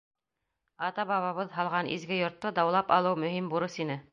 Ата-бабабыҙ һалған изге йортто даулап алыу мөһим бурыс ине.